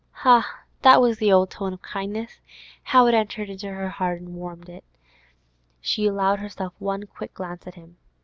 Ha! that was the old tone of kindness! How it entered into her blood and warmed it! She allowed herself one quick glance at him.